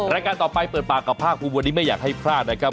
รายการต่อไปเปิดปากกับภาคภูมิวันนี้ไม่อยากให้พลาดนะครับ